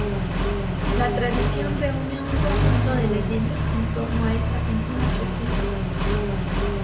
La tradición reúne un conjunto de leyendas en torno a esta pintura perdida.